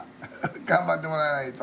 頑張ってもらわないと。